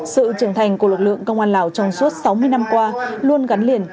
sự trưởng thành của lực lượng công an lào trong suốt sáu mươi năm qua luôn gắn liền